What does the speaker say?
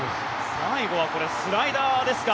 最後はこれスライダーですか。